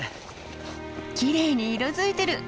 きれいに色づいてる！